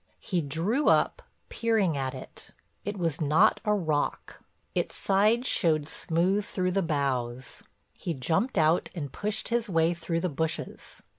He drew up, peering at it—it was not a rock; its side showed smooth through the boughs. He jumped out and pushed his way through the bushes.